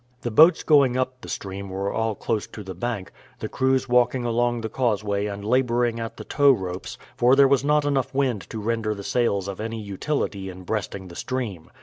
The boats going up the stream were all close to the bank, the crews walking along the causeway and laboring at the towropes, for there was not enough wind to render the sails of any utility in breasting the stream.